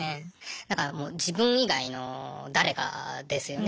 だからもう自分以外の誰かですよね。